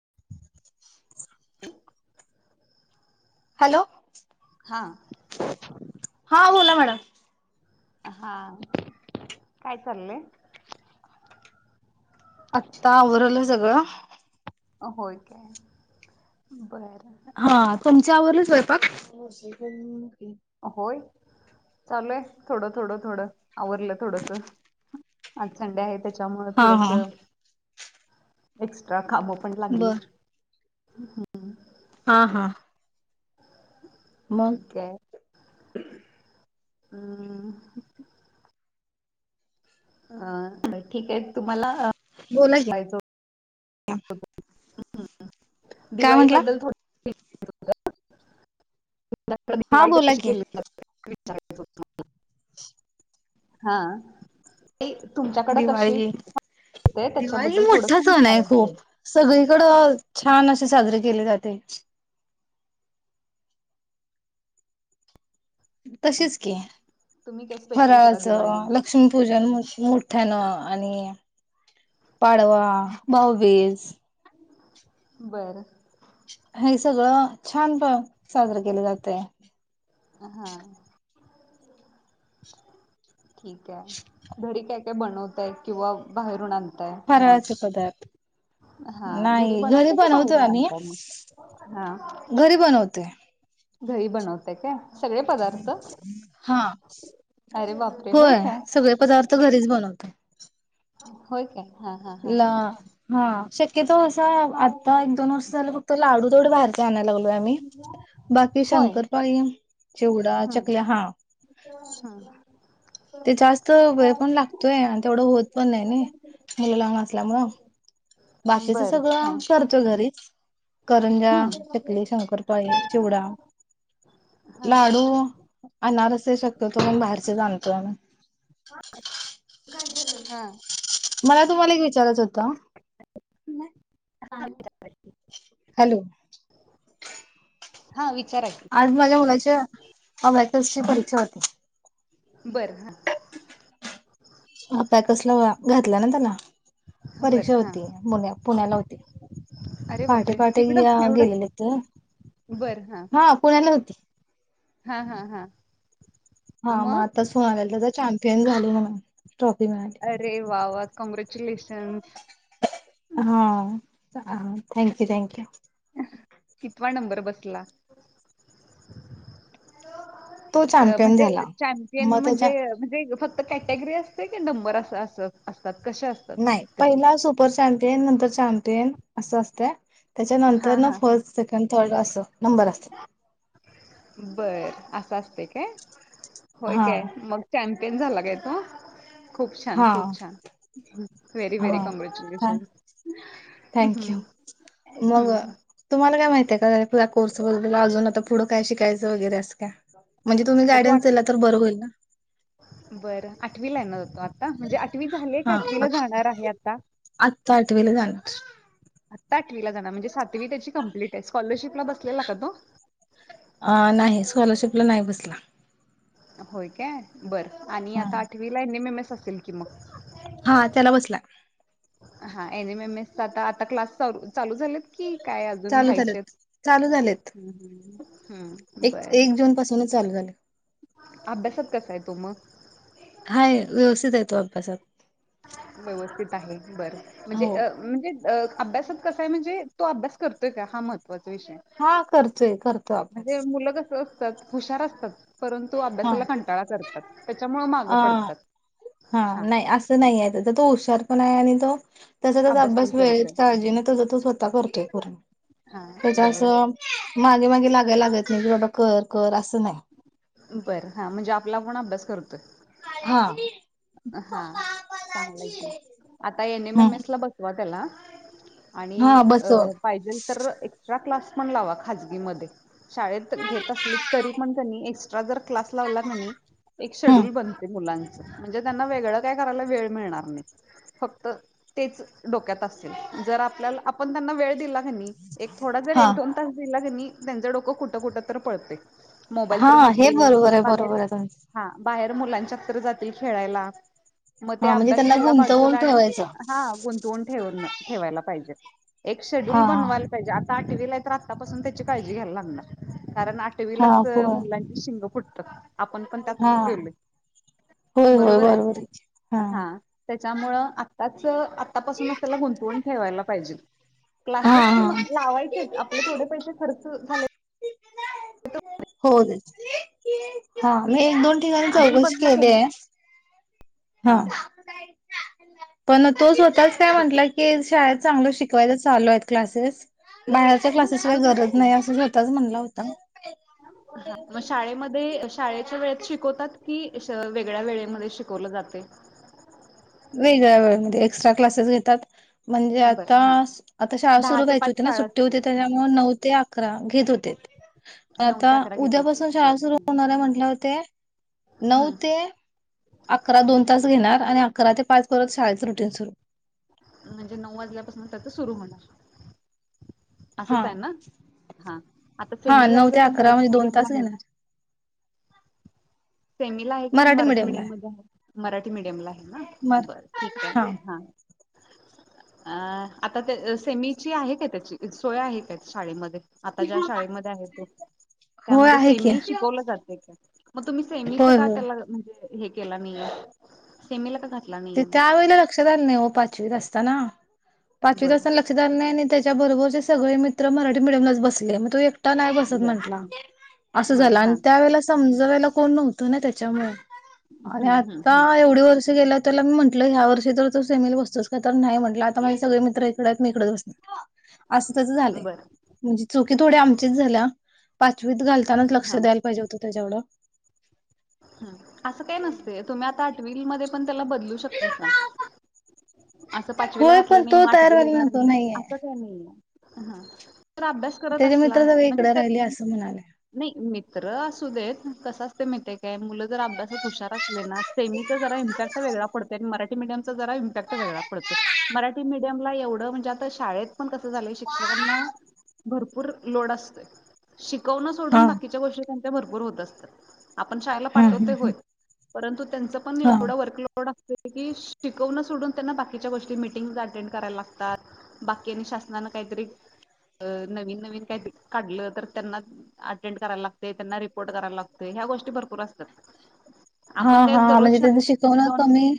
[inaudible] [inaudible] ह. हॅलो? हा बोला मॅडम हा काय चाललंय? आत्ता आवरलं सगळं. होय काय? बर हा तुम. आवरलं स्वयपाक होय. चालूय थोडं थोडं थोडं आवरलं थोडस आज संडे आहेत. त्याच्यामुळें हा थोडंस हा एक्स. त्याला कामं पण लागली. बर हम्. हा हा. मग? ठीक हम्म. ह्म्म. ठीक आहे तुम्हाला अं बोला की [unintelligible] काय म्हंटला दिवाळीबद्दल थोड [unintelligible] हा वाईट बोला क की केल च हा ते तुमच्याकडे कशी दिवाळी होते दिवाळी त्याच्याबद्दल थोडस मोठा सण आहे विचारायचं होतं खूप सगळीकडं छान असे साजरे केले जाते तशीच की तुम्ही काय स्पेशल करा दिवाळीला फराळाचं लक्ष्मीपूजन म्हशी मोठ्यानं आणि पाडवा भाऊबिज बरं हे सगळं छान पण साजरे केले जातय हा ठीक आहे घरी काय काय बनवतायत किंवा बाहेरून आण फराळाचे मग पदार्थ हा घरी नाही बनवताय की बनवतो बाहेरून आम्ही आणतय मग हा घरी बनवते घरी बनवताय काय? सगळे पदार्थ? हा. अरे बापरे! होय काय? सगळे पदार्थ घरीच बनवतोय. होय काय? हां, हां, हां. ला हा. की तो असा आता एक दोन वर्ष झालं फक्त लाडू थोडं बाहेर जायला लाव हो आम्ही बाकी होय? शंकरपाळी, चिवडा, हं, चकल्या हा हं. ते जास्त वेळ पण लागतोय आणि तेवढं होत पण नाही नी मुलं लहान असल्यामुळे. बाकीच बरं. हां. सगळं करतोय घरीच. करंजा, हं. चकली, शंकरपाळी, चिवडा, लाडू, हां, अनारसे शक्यतो करून बाहेरचेच आणतो आम्ही. हा. काय झालं? हा. मला तुम्हाला एक विचारत होत? [unintelligible] हॅलो. हा वि आज माझ्या मुलाच्या अमॅथस ची परीक्षा होती. बरं हा. ह प कसला घातला ना त्याला बरं. परीक्षा हां. होती पुण्या पुण्याला होती अरे पहाटे बापरे! पहाटे तिकडं एवढं? गेलेलेत हा पुण्याला होती. हा, हा, हा हा मग आता शाळेला चाल तेल घाली म अरे वा वा! कॉंग्रॅच्युलेशन. हा. Thank you, thank you. कितवा नंबर बसला? अ तो ग चॅम्पियन म्हणजे झाला. चॅम्पियन मग त्याच्या म्हणजे म्हणजे हे फक्त कॅटेगरी असते की नंबर अस अस नाही. पहिला सुपर चॅमपियन नंतर चॅमपियन असं असतं. त्याच्यानंतर हा ना हा हा फर्स्ट, सेकंड थोडं असं. नंबर असतात. बरं असं असतय काय होय हा काय मग त्या पन झाला काय तो खूप छान हा खूप छान व्हेरी व्हेरी हा कॉंग्रेच्युलेशन थँक्यू मग तुम्हाला काय माहितीय का या कोर्स वला अजून आता पुढं काय शिकायचं वगैरे अस का म्हणजे तुम्ही आता तू गायडन्स आठवी दिला तर बर होईल ना बरं आठवीला आहे न तू आता म्हणजे आठवी झाली आहे का हा आठवीला जाणार आहे आता आत आठवीला जाणार आत्ता आठवीला जानार म्हणजे सातवी त्याची कंप्लीट आहे स्कॉलरशिपला बसला का तो अ नाही स्कॉलरशिपला नाही बसला होय काय बरं आणि आता आठवीला एन एम एम एस ससेल किमाग हा त्याला बसला हा एनम एम एसचा आता आता क्लास चा चालू झालेत की काय अजून चालू व्हायचे झालेत आहेत चालू झालेत एक एक जून पासूनच चालू झाले अभ्यासात कसा आहे तू मग हाय व्यवस्थित आहे तो अभ्यासात व्यवस्थित आहे बर म्हणजे हो अ म्हणजे अ अभ्यासात कसा आहे म्हणजे तो अभ्या करतोय का हा महत्वाचा हा करचोय करत म्हणजे मुलं असतात हुशार असतात. परंतु हा अभ्यासाला कंटाळा करतात. त्याच्यामुळे मागं अ पडतात. हा नाही असं नाही आहे त तो हुशार पण हाय आणि तो त्याचा त्याचा पण अभ्यास वेळ करतोय काळजीने त तू स्वतः करतोय करून हा त्याच्या अस बरं मागे मागे लागायला लाग नाही की बाबा कर कर अस. बर हा म्हणजे आपला पण अभ्यास करतो. ते हा हा चांगलं की आता एन एम एम एस हम्म ला बसवा त्याला आणि हा बसव पाहिजे तर एक्स्ट्रा क्लास‌ फोन लावा खालती मध्ये शाळेत घेत असली तरी पण कनी एक्स्ट्रा क्लास लावला कणी, एक हम्म शेड्यूल बनते मुलां [unintelligible] म्हणजे त्यांना वेगळं काय करायला वेळ मिणार नाही. फक्त तेच डोक्यात असे जर आपल्याला आपण त्यां वेळ दिला एक थोडा जर हा एक दोन त दिलाकणी त्यांचं डोकं कुठं कुठं तर पळते. हा हे बरोबर आहे बरोबर आहे तुमच. हा बाहेर मुलांच्या तर जात खेळायला, मग ते हा म्हणजे अभ्यास त्यांना राहायला गुंतवून बाजूला आणि ठेवायचं. हा गुंतवून ठेवून ठेवायला पाहिजे. एक शेड्युल हा हा बनवायला पाहिजे. आठवीला तर आत्तापासून त्याची काळजी घ्यायला लागणार. कारण हा आठवीलाच होय मुलांची शिंग फुट तर आपण पण हा त्यातनच गेलोय होय होय बरोबर आहे की हा त्याच्यामुळं आत्ताच आत्तापासूनच त्याला गुंतवून ठेवायला पाहिजे. हा क्लासेस म हा लावायचेच आपले थोडे पैसे खर्च झाले होदेत हा नाही दोन तिघान आडूल चौकशी बनला केली कमी आहे. हा. पण तो स्वतःच काय म्हंटला की शाळेत चांगलं शिकवायच चालू आहेत क्लासेस बाहेरच्या नाहीे क्लासेस काही असू दे गरज की नाही असं स्वतःच म्हणला होता मग शाळेमध्ये शाळेच्या वेळेत शिकवतात की ए श वेगळ्या वेळेमध्ये शिकवलं जाते. वेगळ्या वेळेमध्ये एक्स्ट्रा क्लासेस घेतात म्हणजे आता बरं हा आता शाळा दहा सुरु ते व्हायाची पाच होती ना शाळा सुट्टी होती असते त्याच्यामुळं नऊ ते अ घेत होतेत, नऊ आता ते अकरा घेत होते उद्यापासून शाळा सुर बरं होणार आहे म्हटलं ते नऊ ते अकरा दोन तास घेणार आणि अकरा ते पाच करत शाळेच रुटीन सुरू. म्हणजे नऊ वाजल्यापासून तर तो सुरू होणार. हा असच आहे ना हा आता हा सेमीला आहे नऊ का ते तो अकरा मराठी म्हणजे दोन मीडियमला तास आहे? घेणार सेमीला आहे कि मराठी मीडियम मध्ये आहे? मरा ठी मीडयमला आहे ना मर बरं ठीक आहे हा. आ आता ते सेमीची आहे काय त्याची सोया आहे काय शाळेमध्ये? आता ज्या शाळेमध्ये आहे तो होय त्यामध्ये आहे की सेमी शिकवल जातय का? म तुम्ही सेमीचा होय का होय त्याला म्हणजे हे केला मी सेमीला कसं ते त्यावेेळेला लक्षात आलं नाही हो पाचवीत असताना. पाचवीत असताना बरं लक्षातात नाही आणि त्याचा त्याच्याबरोबरचे सगळे मित्र मराठी मिडियमलाच बसले मग तो एक टा नाही बसत म्हंटला बरं असं बरं झाला आणि हा त्या वेळेला समज जवळयाला कोण नव्हतो ना त्याच्यामुळे आणि आता एवढे वर्ष गेल्यात त्याला मी म्हटलं ह्या वर्षी तर तो सेमीला बसतोस का तर नाही म्हटलं आता माझे सगळे मित्र इकडे आहेत मी इकडेच बसणार. असं तसं झालय बर म्हणजे चुकी थोडी आमचीच झाल्या पाचवीत घालतानाच लक्ष द्यायला पाहिजे होतं त्याच्याकडं हा असं काही नसते तुम्ही आता आठ वील मध्ये पण त्याला बदलू शकतायसा. असं पाचवीला होय पण घातलं नाही तो म तयार आठवीला व्हायला येणार नको नाही नाहीये. असं काय नाही आहे. हा. तर अभ्यास करत त्याचे असला मित्र सगळे म्हणजे इकडे त्यात राहिले असं म्हणाले नाही मित्र असू देत कसा कसं आहे माहित आहे का मुलं जर अभ्यासत हुशार असले ना सेमीचा जरा इम्पॅक्ट वेगळा पडतय आणि मराठी मिडियमचा जरा इम्पॅक्ट वेगळा पडतय मराठी मिडीयमला एवढं म्हणजे आता शाळेत पण कसं झालय शिक्षकांना भरपूर लोड असतोय शिक कौन सोडून हा बाकीच्या गोष्टी त्यांना त्या भरपूर होत असतात आपण शाळेला हा पाठवतोय हा होय परंतु त्यांच पण हा. एवढ वर्कलोड अस शिकवण सोडून त्यांना बाकी बाकीच्या गोष्टी मीटिंग अटेंड कराय लागतात बाकी आणि शासनान काहीतरी नवीन नवीन काहीतरी काढल तर त्यांना अटेंड करायला लागते त्यांना रिपोर्ट करायला लागत ह्या गोष्टी भरपूर असतात हा आपण काय हा दररोज म्हणजे त्याच शाळेत शिकवण जाऊन कमी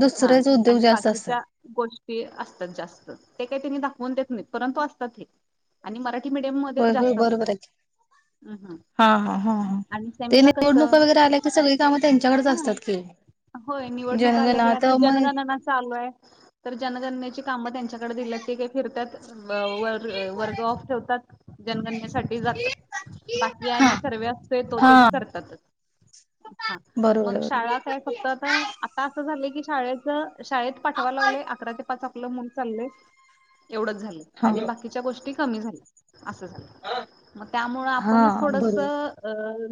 दुसरेच उद्योग जास्त तर असतात. त्या गोष्टी ते असतात जास्त ते काही त्यांनी दाखवून देत नाही परंतु असतात हे आणि मराठी मीडियम मध्ये होय तर होय जास्त असतात बरोबर आहे हम्म हम्म हा हा हा आणि ते सेमीला निवडणूका कसं वगैरे आल्या की सगळी काम त्यांच्याकडेच हा असतात की होय जनगणना त मग काय तर जनगणची काम त्यांच्याकडे दिल्यात ती काय फिरत्यात व वर्ग ऑफ ठेवतात जनगसाठी जातात बाकी आणि सर्वे असतो तो त्यांनी हां. करतातच हा मग बरोबर, बरोबर. शाळा काय फक्त आता अस झालय कि शाळेच शाळेत पाठवा लागले अकरा ते पाच आपलं मन चाललंय एवढंच झालं हां, आणि बाकीच्या गोष्टी कमी झालं असं झा मग त्यामुळे आपणच हां. थोडस बरोबर. अ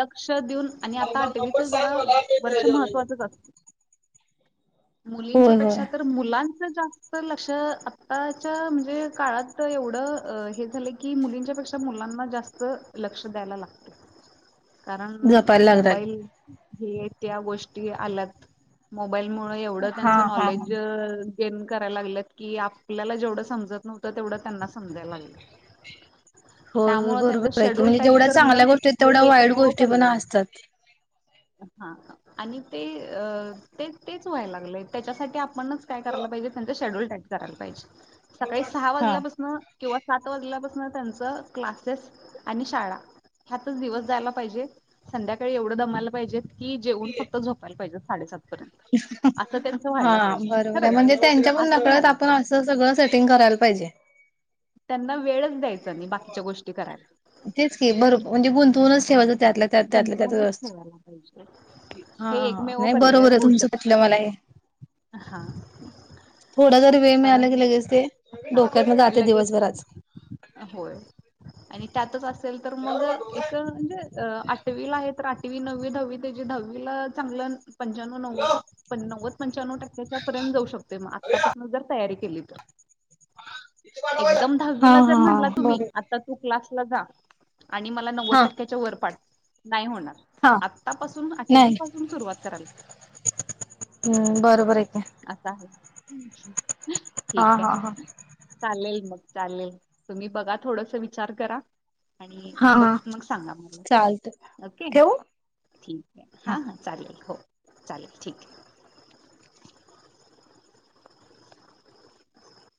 लक्ष देऊन आणि आता आठवीच जरा वर्ष महत्वाचच असत मुलींचा होय, होय. ेा मुलां जास् लक्ष आताच्या म्हणजे काळात एवढं हे झालं की मुलींच्या पेक्षा मुलांना जास्त लक्ष द्यायला लागते कारण जपायला लागणार. मोबाईल हे त्या गोष्टी आल्यात म मोबाईलमुळे एवढं हां, हां, कॉलेज हां. गेन करायला लागलंत की आपल्याला जेवढं समजत नव्हत तेवढं त्यांना समजायला लागलं हो त्यामुळं त्यांचं बरोबर आहे की शेड्यूल म्हणजे टाईट जेवढ्या करणं चांगल्या गोष्टी तेवढ्या हे वाईट एकमेव गोष्टी पण पर्याय आहे. असतात हा आणि ते अ ते तेच व्हायला लागलेय [unintelligible] त्याच्यासाठी [inaudible] पणच काय कयला पाहिजे त्यांचा शेड्यू करायलाहिजे सकाळी सहा हां. वाजल्यापासून किंवा सात वाजल्यापासून त्यांच क्लासेस आणि शाळा ह्यातच दिवस जायला पाहिजे. संध्याकाळी एवढं दमायला पाहिजे. कि जेवन फक्त झोपायला पाहिजे. साडेसातत ह हा बरोबर आहे खरंच म्हणजे त्यांच्या प असंच नकळत व्हायला आपण पाहिजे. असं सगळं सेटिंग करायला पाहिजे. त्यांना वेळच द्यायचा नाही बाकीच्या गोष्टी करायला. तेच क बरोब म्हणजे गुंतणच शेवाच हा त्यातलं त्यात त्यातलं त्यातच गुंतवूनच असत. ठेवायला पाहिजे. हा हे एकमेव नाही पर्याय बरोबर आहे होऊ तुमचं पटलं शकतय मला हे. हा थोडा जरी वेळ मिळाला कारण की लगेच ते हा डोक्यात जाते लगेच दिवसभराात होय आणि त्यातच अस तर मग ण आठवीला आहे तर आठवी नववी दहावी त्या दहावीला चांगलं. पंच्याण्णव नव्व नव्वद पंच्याण्णव टक्क्याच्या पर्यंत जाऊ शकते म आतापासून जर तयारी केली तर एकदम हा दहावीला जर हा म्हटला तुम्ही बरं आता तू क्लास लगा आणि मला नन्वद टक्के [unintelligible] नाही होणार हा. आत्तापासून आठवी नाही पासून सुरुवात करायला पाहिजे हम्म बरोबर आहे की. असं आहे. अच्छा. हा ठीक आहे हा हा चालेल. मग चालेल तुम्ही बघा थोडस विचार करा. आणि बघ मग सांगा मला चालतय ओके ठेवु. ठीक आहे हा हा चालेल हो चालेल ठीक आहे.